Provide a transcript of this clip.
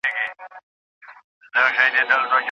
دسترخوان په شنه پټي کې د سابو او چای لپاره هوار کړل شو.